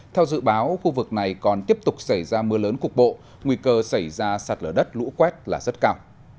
theo dự báo khu vực này còn tiếp tục xảy ra mưa lớn cục bộ nguy cơ xảy ra sạt lở đất lũ quét là rất cao